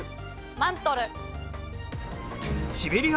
マントル。